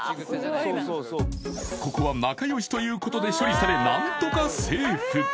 ここは仲良しということで処理され何とかセーフ！